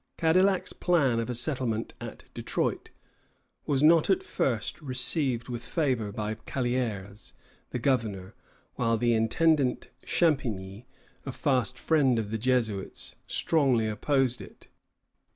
Cadillac's plan of a settlement at Detroit was not at first received with favor by Callières, the governor; while the intendant Champigny, a fast friend of the Jesuits, strongly opposed it.